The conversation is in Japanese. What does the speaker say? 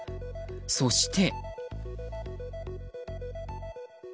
そして。